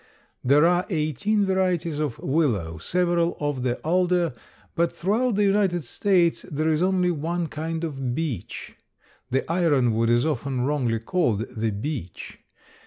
There are eighteen varieties of willow, several of the alder, but throughout the United States there is only one kind of beech. The ironwood is often wrongly called the beech.